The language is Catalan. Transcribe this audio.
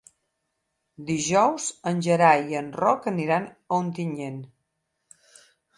Dijous en Gerai i en Roc aniran a Ontinyent.